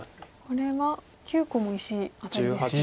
これは９個も石アタリですね。